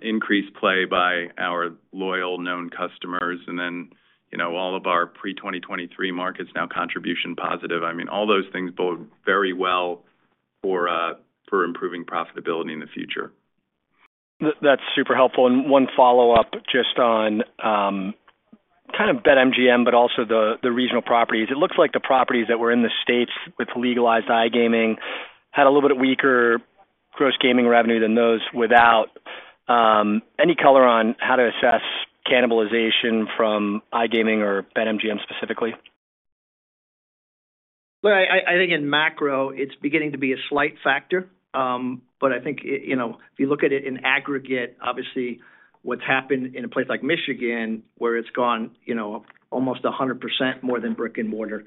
increased play by our loyal known customers, and then, you know, all of our pre-2023 markets now contribution positive. I mean, all those things bode very well for improving profitability in the future. That's super helpful. One follow-up just on, kind of BetMGM, but also the, the regional properties. It looks like the properties that were in the states with legalized iGaming had a little bit weaker gross gaming revenue than those without, any color on how to assess cannibalization from iGaming or BetMGM, specifically? Well, I, I, I think in macro, it's beginning to be a slight factor. I think, you know, if you look at it in aggregate, obviously, what's happened in a place like Michigan, where it's gone, you know, almost 100% more than brick and mortar,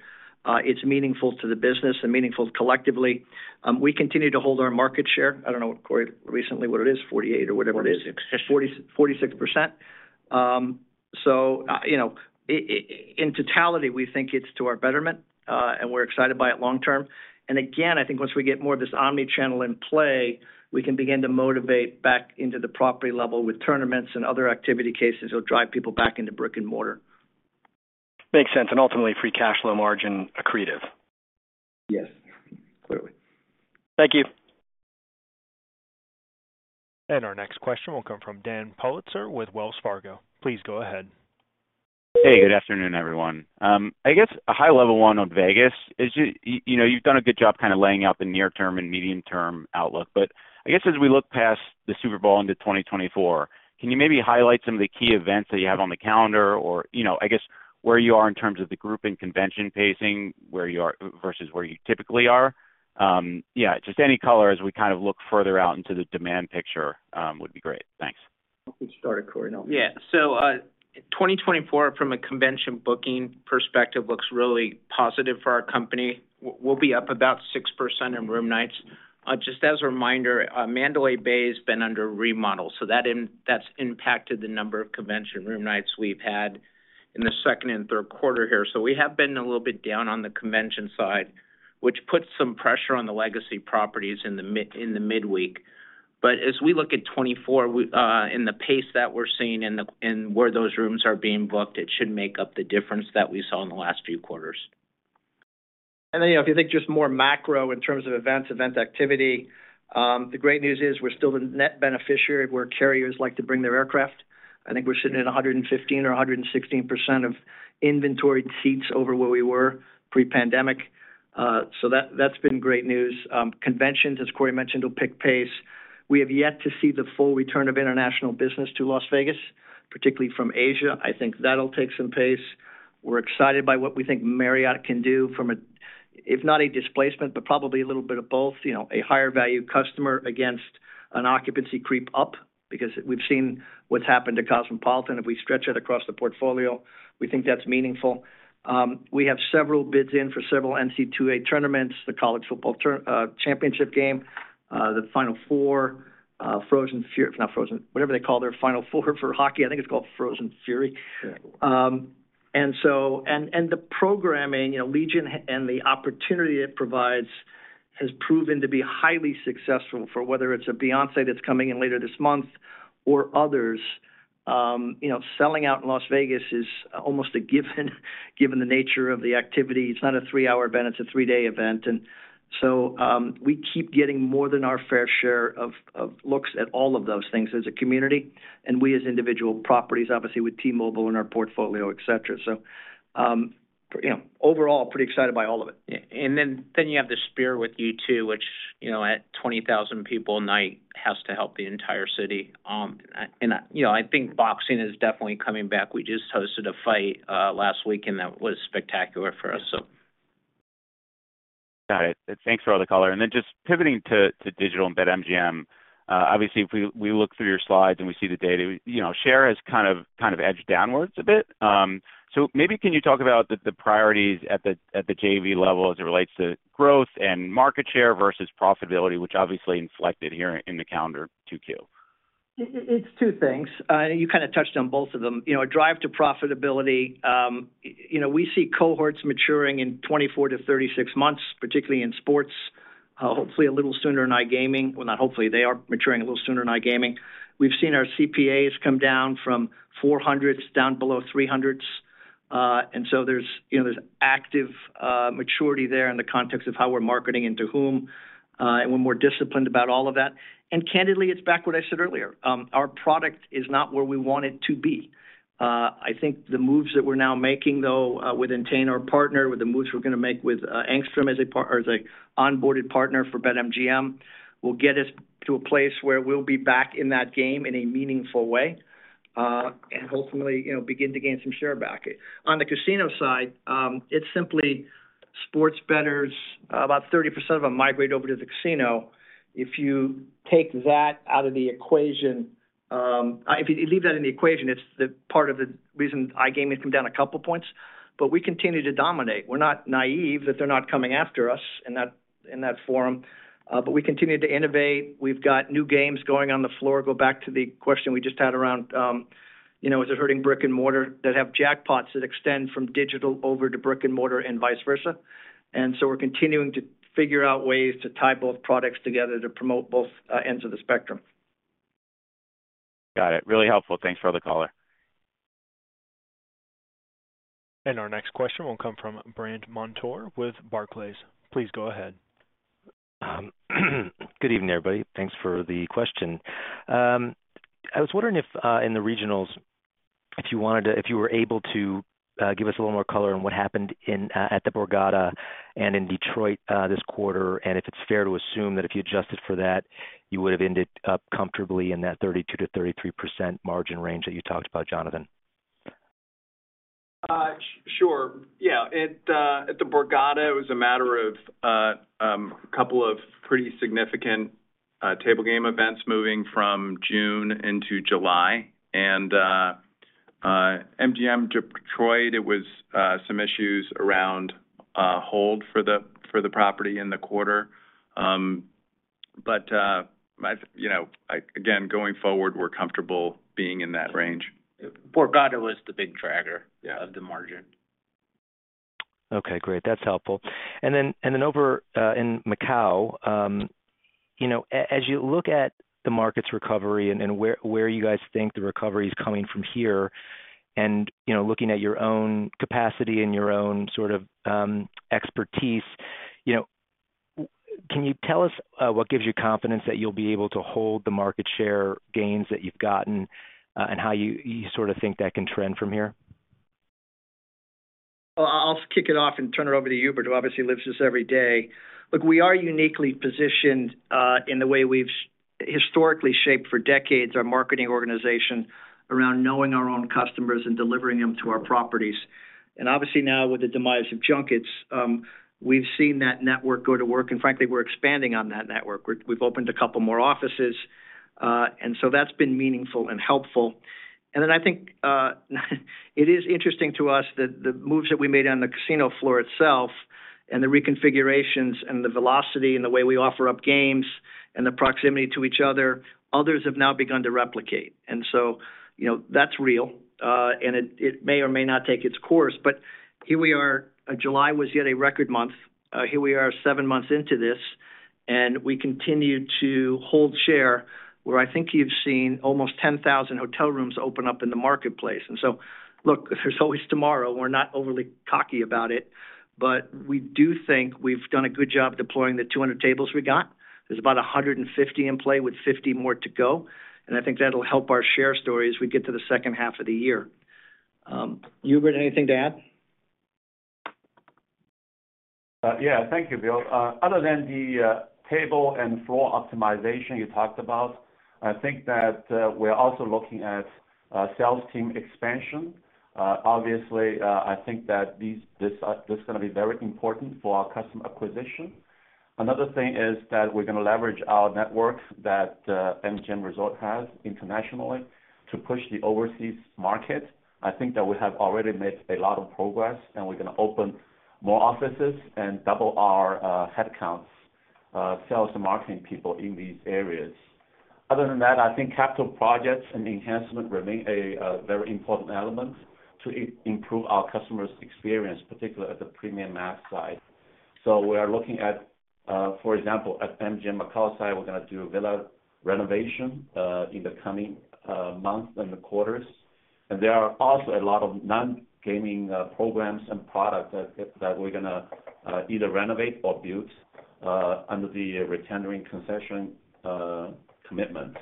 it's meaningful to the business and meaningful collectively. We continue to hold our market share. I don't know, Corey, recently, what it is, 48 or whatever it is? Forty-six. 64%. You know, in totality, we think it's to our betterment, and we're excited by it long term. Again, I think once we get more of this omnichannel in play, we can begin to motivate back into the property level with tournaments and other activity cases that will drive people back into brick and mortar. Makes sense. Ultimately, free cash flow margin accretive. Yes, clearly. Thank you. Our next question will come from Dan Politzer with Wells Fargo. Please go ahead. Hey, good afternoon, everyone. I guess a high level one on Vegas. You know, you've done a good job laying out the near term and medium-term outlook, but I guess as we look past the Super Bowl into 2024, can you maybe highlight some of the key events that you have on the calendar or, you know, I guess, where you are in terms of the group and convention pacing, versus where you typically are? Just any color as we kind of look further out into the demand picture, would be great. Thanks. I'll get started, Corey. Yeah. From a convention booking perspective, 2024 looks really positive for our company. We'll be up about 6% in room nights. Just as a reminder, Mandalay Bay has been under remodel, so that's impacted the number of convention room nights we've had in the second and third quarter here. We have been a little bit down on the convention side, which puts some pressure on the legacy properties in the midweek. As we look at 2024, we, in the pace that we're seeing and where those rooms are being booked, it should make up the difference that we saw in the last few quarters. You know, if you think just more macro in terms of events, event activity, the great news is we're still the net beneficiary of where carriers like to bring their aircraft. I think we're sitting at 115% or 116% of inventoried seats over where we were pre-pandemic. That, that's been great news. Conventions, as Corey mentioned, will pick pace. We have yet to see the full return of international business to Las Vegas, particularly from Asia. I think that'll take some pace. We're excited by what we think Marriott can do from a, if not a displacement, but probably a little bit of both, you know, a higher value customer against an occupancy creep up, because we've seen what's happened to The Cosmopolitan. If we stretch it across the portfolio, we think that's meaningful. We have several bids in for several NCAA tournaments, the College Football Tour Championship game, the Final Four, Frozen Four, not Frozen, whatever they call their Final Four for hockey. I think it's called Frozen Four. The programming, you know, Allegiant, and the opportunity it provides, has proven to be highly successful for whether it's a Beyoncé that's coming in later this month or others. You know, selling out in Las Vegas is almost a given, given the nature of the activity. It's not a three-hour event, it's a three-day event. We keep getting more than our fair share of, of looks at all of those things as a community, and we as individual properties, obviously with T-Mobile in our portfolio, et cetera. You know, overall, pretty excited by all of it. Then you have the Sphere with U2, which, you know, at 20,000 people a night, has to help the entire city. You know, I think boxing is definitely coming back. We just hosted a fight last weekend, and that was spectacular for us, so. Got it. Thanks for all the color. Just pivoting to, to digital and BetMGM, obviously, if we, we look through your slides and we see the data, you know, share has kind of, kind of edged downwards a bit. Maybe can you talk about the, the priorities at the, at the JV level as it relates to growth and market share versus profitability, which obviously is selected here in the calendar 2Q? It's 2 things, you kinda touched on both of them. You know, a drive to profitability, you know, we see cohorts maturing in 24 to 36 months, particularly in sports, hopefully a little sooner in iGaming. Well, not hopefully, they are maturing a little sooner in iGaming. We've seen our CPAs come down from 400s down below 300s. There's, you know, there's active maturity there in the context of how we're marketing and to whom. We're more disciplined about all of that. Candidly, it's back what I said earlier, our product is not where we want it to be. I think the moves that we're now making, though, with Entain, our partner, with the moves we're going to make with Angstrom as a part-- or as a onboarded partner for BetMGM, will get us to a place where we'll be back in that game in a meaningful way, and hopefully, you know, begin to gain some share back. On the casino side, it's simply sports bettors, about 30% of them migrate over to the casino. If you take that out of the equation, if you leave that in the equation, it's the part of the reason iGaming has come down a couple of points, but we continue to dominate. We're not naive that they're not coming after us in that, in that forum, but we continue to innovate. We've got new games going on the floor. Go back to the question we just had around, you know, is it hurting brick-and-mortar that have jackpots that extend from digital over to brick-and-mortar and vice versa? So we're continuing to figure out ways to tie both products together to promote both ends of the spectrum. Got it. Really helpful. Thanks for the color. Our next question will come from Brandt Montour with Barclays. Please go ahead. Good evening, everybody. Thanks for the question. I was wondering if in the regionals, if you wanted to-- if you were able to give us a little more color on what happened in at the Borgata and in Detroit this quarter, and if it's fair to assume that if you adjusted for that, you would have ended up comfortably in that 32%-33% margin range that you talked about, Jonathan? Sure. Yeah, it at the Borgata, it was a matter of a couple of pretty significant table game events moving from June into July. MGM Detroit, it was some issues around hold for the property in the quarter. As you know, again, going forward, we're comfortable being in that range. Borgata was the big dragger. Yeah. of the margin. Okay, great. That's helpful. Over in Macau, you know, as you look at the market's recovery and, and where, where you guys think the recovery is coming from here, and, you know, looking at your own capacity and your own sort of expertise, you know, can you tell us what gives you confidence that you'll be able to hold the market share gains that you've gotten, and how you, you sort of think that can trend from here? Well, I'll, I'll kick it off and turn it over to Hubert, who obviously lives this every day. Look, we are uniquely positioned in the way we've historically shaped for decades, our marketing organization around knowing our own customers and delivering them to our properties. Obviously, now, with the demise of Junkets, we've seen that network go to work, and frankly, we're expanding on that network. We've, we've opened a couple more offices, and so that's been meaningful and helpful. Then I think it is interesting to us that the moves that we made on the casino floor itself and the reconfigurations and the velocity, and the way we offer up games and the proximity to each other, others have now begun to replicate. You know, that's real, and it, it may or may not take its course, but here we are. July was yet a record month. Here we are, seven months into this, and we continue to hold share, where I think you've seen almost 10,000 hotel rooms open up in the marketplace. Look, there's always tomorrow. We're not overly cocky about it, but we do think we've done a good job deploying the 200 tables we got. There's about 150 in play with 50 more to go, and I think that'll help our share story as we get to the second half of the year. Hubert, anything to add? Yeah, thank you, Bill. Other than the table and floor optimization you talked about, I think that we're also looking at sales team expansion. Obviously, I think that this is going to be very important for our customer acquisition. Another thing is that we're going to leverage our networks that MGM Resorts has internationally to push the overseas market. I think that we have already made a lot of progress, and we're going to open more offices and double our headcounts, sales and marketing people in these areas. Other than that, I think capital projects and enhancement remain a very important element to improve our customers' experience, particularly at the premium mass side. We are looking at, for example, at MGM Macau side, we're going to do a villa renovation in the coming months and the quarters. There are also a lot of non-gaming programs and products that, that we're going to either renovate or build under the retendering concession commitment.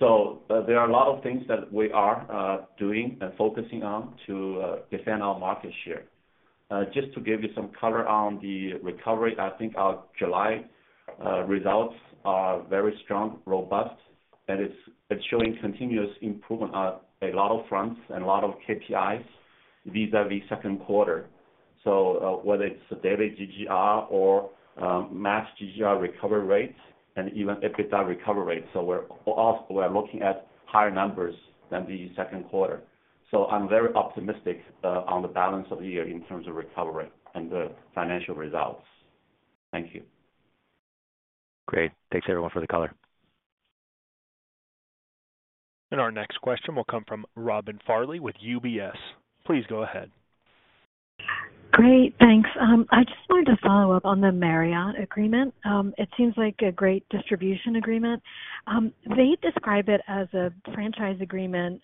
There are a lot of things that we are doing and focusing on to defend our market share. Just to give you some color on the recovery, I think our July results are very strong, robust, and it's, it's showing continuous improvement on a lot of fronts and a lot of KPIs vis-à-vis second quarter. Whether it's the daily GGR or mass GGR recovery rates and even EBITDA recovery rates. We're, also we're looking at higher numbers than the second quarter. I'm very optimistic, on the balance of the year in terms of recovery and the financial results. Thank you. Great. Thanks, everyone, for the color. Our next question will come from Robin Farley with UBS. Please go ahead. Great, thanks. I just wanted to follow up on the Marriott agreement. It seems like a great distribution agreement. They describe it as a franchise agreement,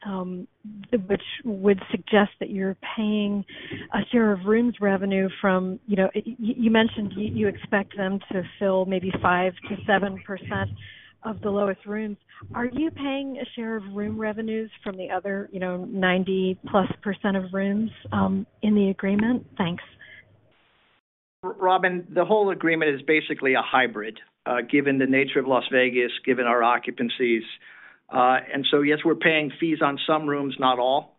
which would suggest that you're paying a share of rooms revenue from, you know, you mentioned you, you expect them to fill maybe 5%-7% of the lowest rooms. Are you paying a share of room revenues from the other, you know, 90%-plus of rooms, in the agreement? Thanks. Robyn, the whole agreement is basically a hybrid, given the nature of Las Vegas, given our occupancies. Yes, we're paying fees on some rooms, not all.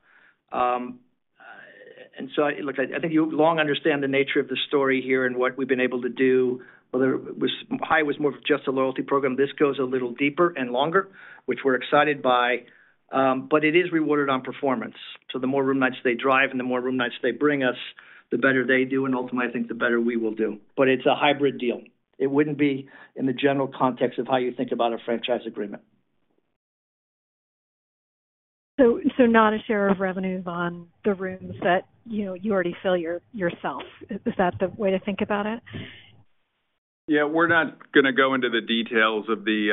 Look, I think you long understand the nature of the story here and what we've been able to do. Whether it was Hyatt was more of just a loyalty program. This goes a little deeper and longer, which we're excited by, but it is rewarded on performance. The more room nights they drive and the more room nights they bring us, the better they do, and ultimately, I think the better we will do. It's a hybrid deal. It wouldn't be in the general context of how you think about a franchise agreement. So not a share of revenues on the rooms that, you know, you already fill your, yourself. Is that the way to think about it? We're not gonna go into the details of the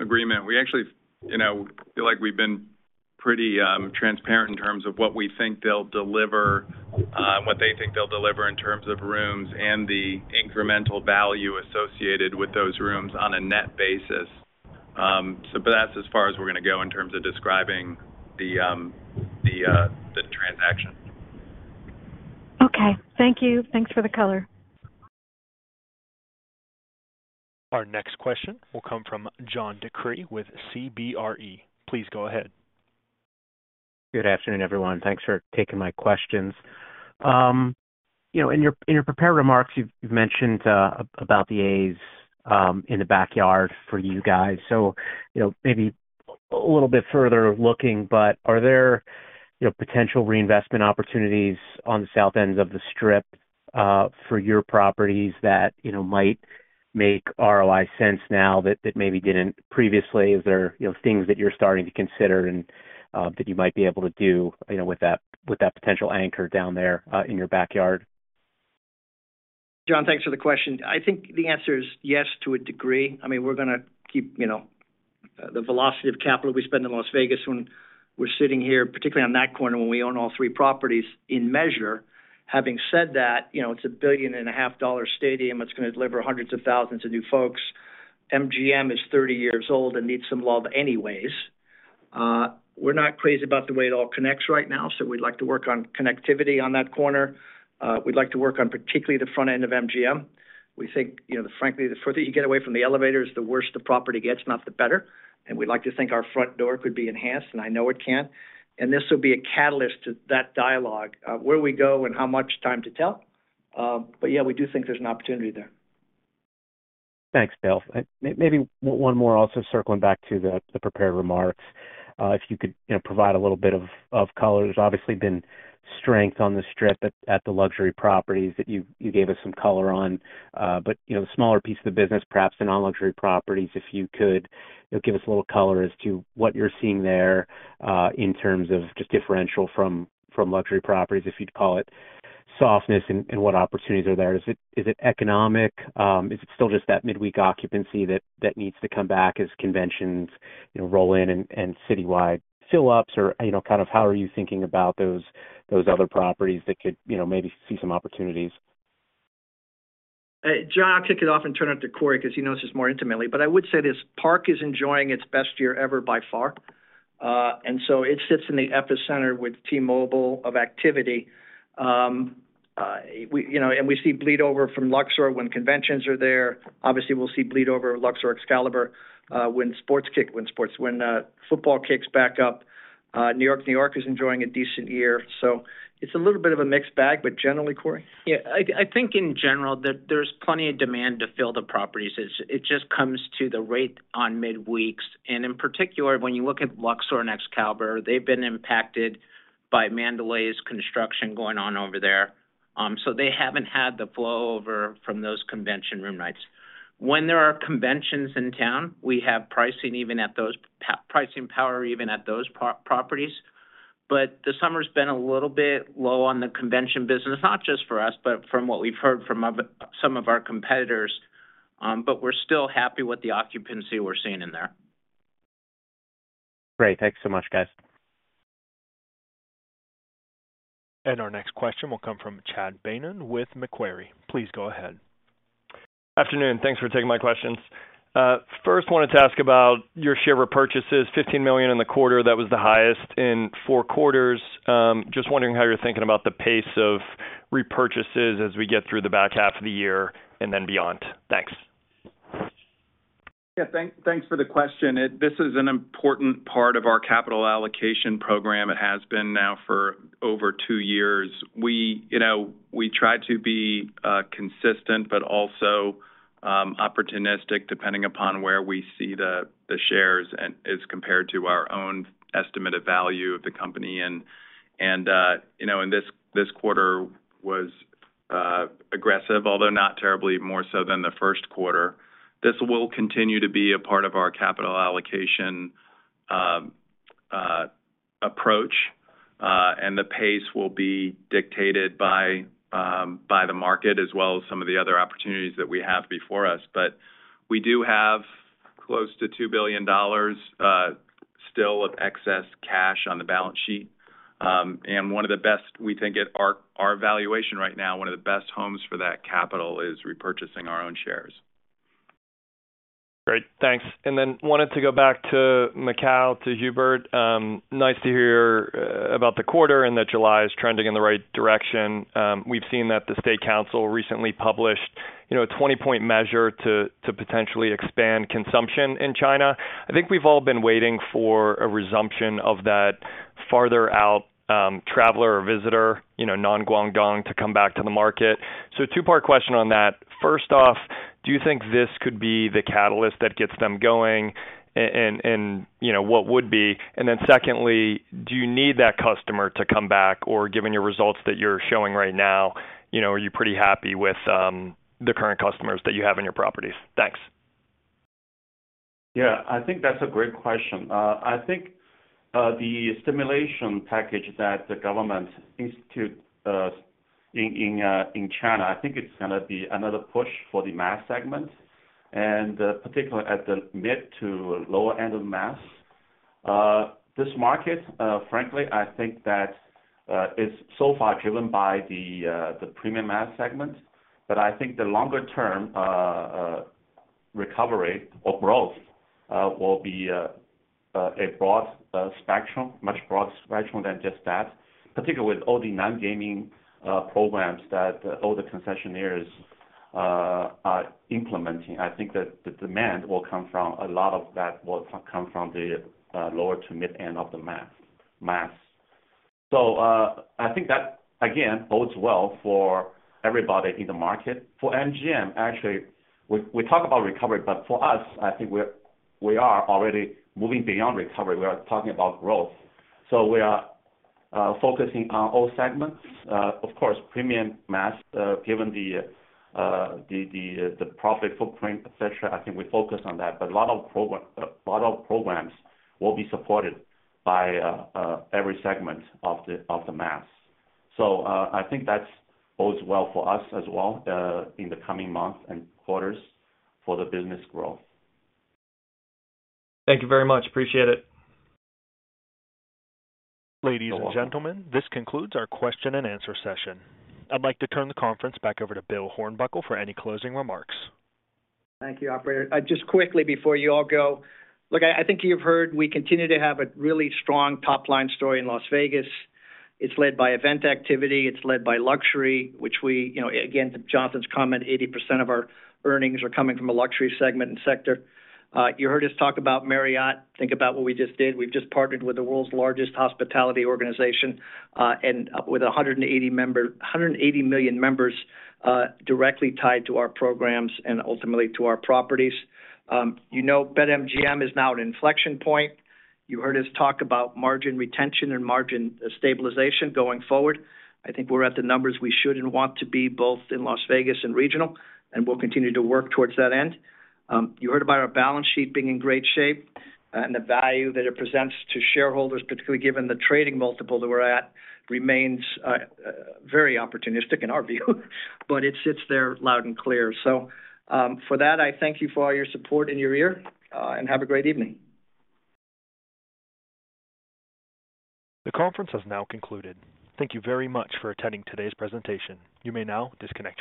agreement. We actually, you know, feel like we've been pretty transparent in terms of what we think they'll deliver, what they think they'll deliver in terms of rooms and the incremental value associated with those rooms on a net basis. That's as far as we're gonna go in terms of describing the transaction. Okay. Thank you. Thanks for the color. Our next question will come from John DeCree with CBRE. Please go ahead. Good afternoon, everyone. Thanks for taking my questions. You know, in your, in your prepared remarks, you've, you've mentioned about the A's in the backyard for you guys. You know, maybe a little bit further looking, but are there, you know, potential reinvestment opportunities on the south end of the Strip for your properties that, you know, might make ROI sense now that, that maybe didn't previously? Is there, you know, things that you're starting to consider and that you might be able to do, you know, with that, with that potential anchor down there in your backyard? John, thanks for the question. I think the answer is yes, to a degree. I mean, we're gonna keep, you know, the velocity of capital we spend in Las Vegas when we're sitting here, particularly on that corner, when we own all three properties in measure. Having said that, you know, it's a $1.5 billion stadium that's gonna deliver hundreds of thousands of new folks. MGM is 30 years old and needs some love anyways. We're not crazy about the way it all connects right now, so we'd like to work on connectivity on that corner. We'd like to work on, particularly the front end of MGM. We think, you know, frankly, the further you get away from the elevators, the worse the property gets, not the better. We'd like to think our front door could be enhanced, and I know it can. This will be a catalyst to that dialogue of where we go and how much time to tell. Yeah, we do think there's an opportunity there. Thanks, Bill. Maybe one more also circling back to the, the prepared remarks. If you could, you know, provide a little bit of, of color. There's obviously been strength on the strip at, at the luxury properties that you, you gave us some color on, but, you know, the smaller piece of the business, perhaps the non-luxury properties, if you could, you know, give us a little color as to what you're seeing there, in terms of just differential from, from luxury properties, if you'd call it softness and, and what opportunities are there? Is it, is it economic? Is it still just that midweek occupancy that, that needs to come back as conventions, you know, roll in and, and citywide fill ups? You know, kind of how are you thinking about those, those other properties that could, you know, maybe see some opportunities? Hey, John, I'll kick it off and turn it to Corey because he knows this more intimately, but I would say this, Park MGM is enjoying its best year ever by far. It sits in the epicenter with T-Mobile of activity. We, you know, and we see bleed over from Luxor when conventions are there. Obviously, we'll see bleed over Luxor, Excalibur, when football kicks back up. New York, New York is enjoying a decent year, it's a little bit of a mixed bag, but generally, Corey? Yeah, I, I think in general, that there's plenty of demand to fill the properties. It, it just comes to the rate on midweeks, and in particular, when you look at Luxor and Excalibur, they've been impacted by Mandalay's construction going on over there. They haven't had the flow over from those convention room nights. When there are conventions in town, we have pricing power, even at those properties. The summer's been a little bit low on the convention business, not just for us, but from what we've heard from other, some of our competitors. We're still happy with the occupancy we're seeing in there. Great. Thanks so much, guys. Our next question will come from Chad Beynon with Macquarie. Please go ahead. Afternoon. Thanks for taking my questions. First, wanted to ask about your share repurchases, $15 million in the quarter. That was the highest in 4 quarters. Just wondering how you're thinking about the pace of repurchases as we get through the back half of the year and then beyond. Thanks. Yeah, thank, thanks for the question. This is an important part of our capital allocation program. It has been now for over two years. We, you know, we try to be consistent, but also opportunistic, depending upon where we see the shares and as compared to our own estimated value of the company. You know, this, this quarter was aggressive, although not terribly more so than the first quarter. This will continue to be a part of our capital allocation.... approach, the pace will be dictated by the market, as well as some of the other opportunities that we have before us. We do have close to $2 billion still of excess cash on the balance sheet. One of the best, we think, at our, our valuation right now, one of the best homes for that capital is repurchasing our own shares. Great, thanks. Then wanted to go back to Macau, to Hubert. Nice to hear about the quarter and that July is trending in the right direction. We've seen that the State Council recently published, you know, a 20-point measure to, to potentially expand consumption in China. I think we've all been waiting for a resumption of that farther out traveler or visitor, you know, non-Guangdong, to come back to the market. So two-part question on that: first off, do you think this could be the catalyst that gets them going? And, and, and, you know, what would be? Then secondly, do you need that customer to come back, or given your results that you're showing right now, you know, are you pretty happy with the current customers that you have in your properties? Thanks. Yeah, I think that's a great question. I think the stimulation package that the government institute in, in China, I think it's gonna be another push for the mass segment, and particularly at the mid to lower end of the mass. This market, frankly, I think that is so far driven by the premium mass segment. I think the longer term recovery or growth will be a broad spectrum, much broad spectrum than just that. Particularly with all the non-gaming programs that all the concessionaires are implementing. I think that the demand will come from. A lot of that will come from the lower to mid-end of the mass. I think that, again, bodes well for everybody in the market. For MGM, actually, we, we talk about recovery, but for us, I think we are already moving beyond recovery. We are talking about growth. We are focusing on all segments. Of course, premium mass, given the profit footprint, et cetera, I think we focus on that. A lot of program, a lot of programs will be supported by every segment of the mass. I think that bodes well for us as well, in the coming months and quarters for the business growth. Thank you very much. Appreciate it. Ladies and gentlemen, this concludes our question and answer session. I'd like to turn the conference back over to Bill Hornbuckle for any closing remarks. Thank you, operator. Just quickly before you all go. Look, I, I think you've heard, we continue to have a really strong top-line story in Las Vegas. It's led by event activity, it's led by luxury, which we, you know, again, to Jonathan's comment, 80% of our earnings are coming from a luxury segment and sector. You heard us talk about Marriott. Think about what we just did. We've just partnered with the world's largest hospitality organization, and with 180 million members, directly tied to our programs and ultimately to our properties. You know, BetMGM is now at inflection point. You heard us talk about margin retention and margin stabilization going forward. I think we're at the numbers we should and want to be, both in Las Vegas and regional, and we'll continue to work towards that end. You heard about our balance sheet being in great shape, and the value that it presents to shareholders, particularly given the trading multiple that we're at, remains very opportunistic in our view, but it sits there loud and clear. For that, I thank you for all your support and your ear, and have a great evening. The conference has now concluded. Thank you very much for attending today's presentation. You may now disconnect your lines.